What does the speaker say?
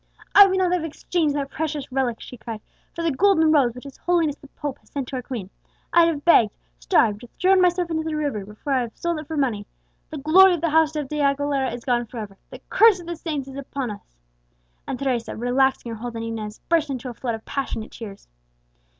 "I would not have exchanged that precious relic," she cried, "for the Golden Rose which his Holiness the Pope has sent to our queen! I'd have begged starved thrown myself into the river before I'd have sold it for money! The glory of the house of De Aguilera is gone for ever! The curse of the saints is upon us!" And Teresa, relaxing her hold on Inez, burst into a flood of passionate tears.